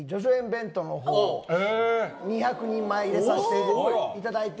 弁当のほうを２００人前入れさせていただいて。